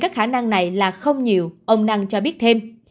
các khả năng này là không nhiều ông năng cho biết thêm